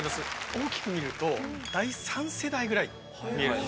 大きく見ると第３世代ぐらい。